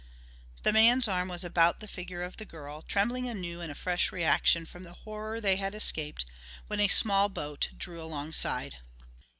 The man's arm was about the figure of the girl, trembling anew in a fresh reaction from the horror they had escaped, when a small boat drew alongside.